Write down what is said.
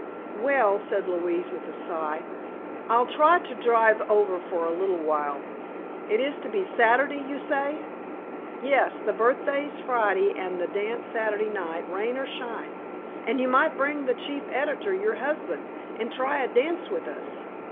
"Well," said Louise, with a sigh, "I'll try to drive over for a little while. It is to be Saturday, you say?" "Yes; the birthday's Friday and the dance Saturday night, rain or shine. An' you might bring the chief editor, your husband, an' try a dance with us.